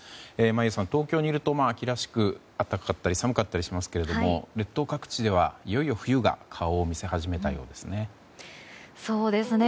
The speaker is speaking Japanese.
真家さん、東京は秋らしく暖かかったり寒かったりしますけど列島各地では、いよいよ冬が顔を見せ始めたようですね。